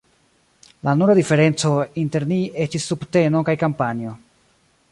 La nura diferenco inter ni estis subteno kaj kampanjo.